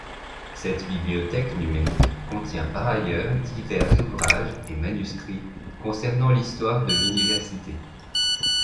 Cette bibliothèque numérique contient par ailleurs divers ouvrages et manuscrits concernant l’histoire de l’Université.